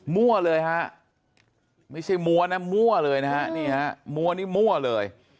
มั่วเลยฮะไม่ใช่มัวนะมั่วเลยนะฮะนี่ฮะมัวนี่มั่วเลย